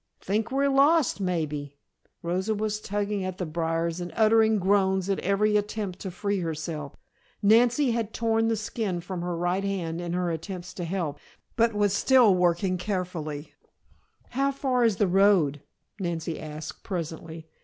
"Think we're lost, maybe." Rosa was tugging at the briars and uttering groans at every attempt to free herself. Nancy had torn the skin from her right hand in her attempts to help, but was still working carefully. "How far is the road?" Nancy asked presently.